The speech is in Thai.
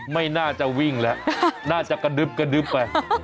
ไม่น่าจะวิ่งแล้วน่าจะกระดึ๊บกระดึ๊บไป